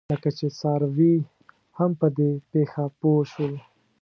لکه چې څاروي هم په دې پېښه پوه شول.